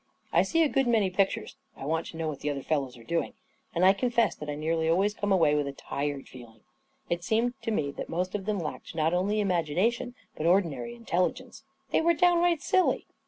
I see a good many pictures — I want to know what the other fellows are doing — and I confess that I nearly always come away with a tired feeling. It seemed to me that most of them lacked not only imagination, but ordinary intelligence. They were downright silly.